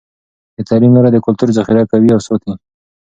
د تعلیم لاره د کلتور ذخیره کوي او ساتي.